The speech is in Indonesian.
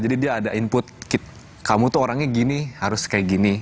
jadi dia ada input kamu tuh orangnya gini harus kayak gini